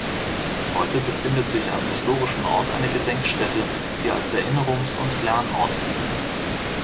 Heute befindet sich am historischen Ort eine Gedenkstätte, die als Erinnerungs- und Lernort dient.